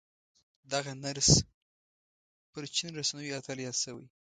دغه نرس پر چين رسنيو اتل ياد شوی دی.